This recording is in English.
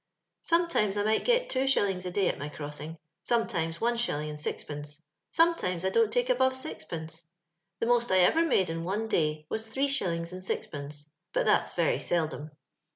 "Sometimes I might get two shillinyardiy at my crossing, sometimes one shUhng and sizpenoe, sometimes I dont take above siz^ pence. The most I erer made in one day was three shillings and aizpenee, bnt thatTs veiy seldom.